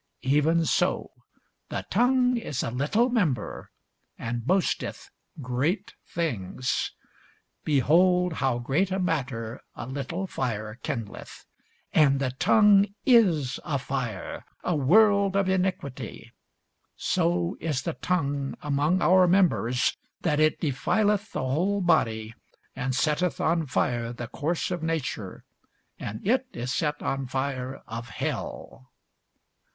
Even so the tongue is a little member, and boasteth great things. Behold, how great a matter a little fire kindleth! And the tongue is a fire, a world of iniquity: so is the tongue among our members, that it defileth the whole body, and setteth on fire the course of nature; and it is set on fire of hell.